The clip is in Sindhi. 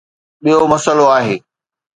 ٻيو مسئلو آهي.